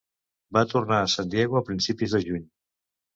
Va tornar a San Diego a principis de juny.